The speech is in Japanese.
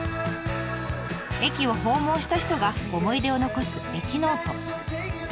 駅を訪問した人が思い出を残す駅ノート。